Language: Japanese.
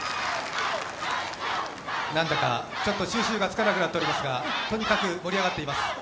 何だかちょっと収拾がつかなくなっておりますが、とにかく盛り上がっています。